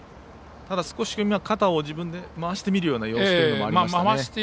ただ、少し今肩を自分で回してみるような様子もありましたね。